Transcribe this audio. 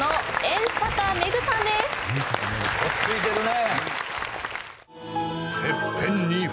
落ち着いてるね。